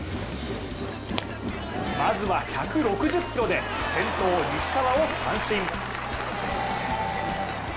まずは１６０キロで先頭・石川を三振。